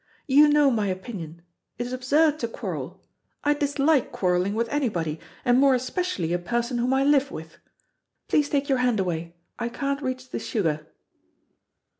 You know my opinion. It is absurd to quarrel; I dislike quarrelling with anybody, and more especially a person whom I live with. Please take your hand away, I can't reach the sugar."